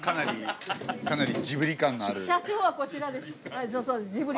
社長はこちらです。